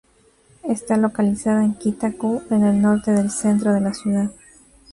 Está localizada en Kita-ku, en el norte del centro de la ciudad.